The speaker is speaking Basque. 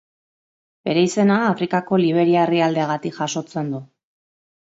Bere izena Afrikako Liberia herrialdeagatik jasotzen du.